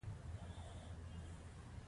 هغه د پسرلی په بڼه د مینې سمبول جوړ کړ.